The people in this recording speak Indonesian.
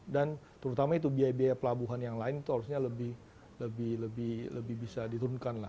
dan terutama biaya biaya pelabuhan yang lain itu harusnya lebih bisa diturunkan